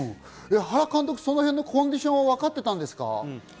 原監督、その辺のコンディションはわかっていたんですか？